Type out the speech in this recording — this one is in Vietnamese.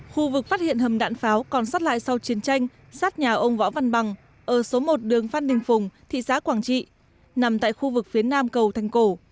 khu vực phát hiện hầm đạn pháo còn xót lại sau chiến tranh sát nhà ông võ văn bằng ở số một đường phan đình phùng thị xã quảng trị nằm tại khu vực phía nam cầu thành cổ